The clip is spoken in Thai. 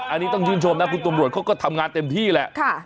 อันนี้ต้องชื่นชมนะคุณตำรวจเขาก็ทำงานเต็มที่แหละ